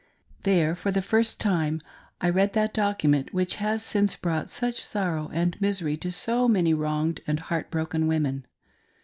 There, for the first time, I read that document which has since brought such sorrow and misery to so many wronged and heart broken women.